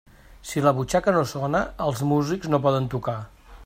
Si la butxaca no sona, els músics no poden tocar.